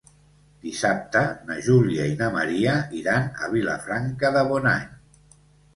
Dissabte na Júlia i na Maria iran a Vilafranca de Bonany.